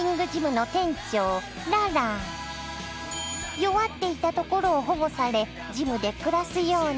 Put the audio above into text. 弱っていたところを保護されジムで暮らすように。